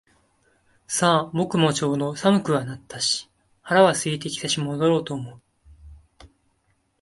さあ、僕もちょうど寒くはなったし腹は空いてきたし戻ろうと思う